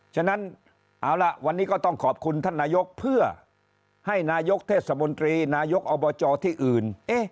ฉะนั้นเอาล่ะวันนี้ก็ต้องขอบคุณท่านนายกเพื่อให้นายกเทศมนตรีนายกอบจที่อื่น